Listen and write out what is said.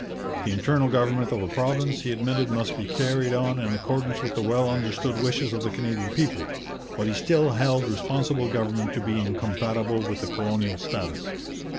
The internal government of the province, he admitted, must be carried on in accordance with the well understood wishes of the Canadian people, but he still held Responsible Government to be incompatible with the colonial status.